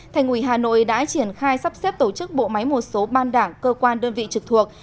thành quỷ hà nội đã triển khai sắp xếp tổ chức bộ máy một số ban đảng cơ quan đơn vị trực thuộc